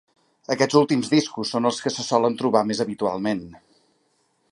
Aquests últims discos són els que se solen trobar més habitualment.